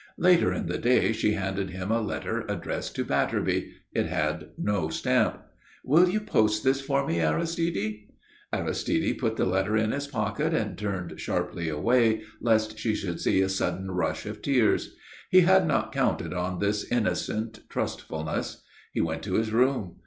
Later in the day she handed him a letter addressed to Batterby. It had no stamp. "Will you post this for me, Aristide?" Aristide put the letter in his pocket and turned sharply away, lest she should see a sudden rush of tears. He had not counted on this innocent trustfulness. He went to his room.